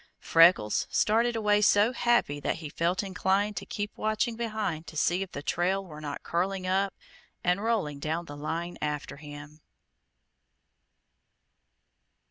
Freckles started away so happy that he felt inclined to keep watching behind to see if the trail were not curling up and rolling down the line after him.